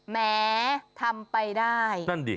แหมทำไปได้